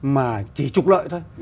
mà chỉ trục lợi thôi